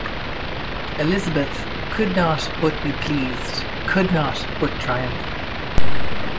Elizabeth could not but be pleased, could not but triumph.